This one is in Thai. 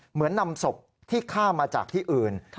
เหมือนนำศพที่ฆ่ามาจากที่อื่น